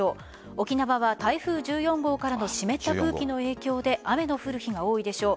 沖縄は台風１４号からの湿った空気の影響で雨の降る日が多いでしょう。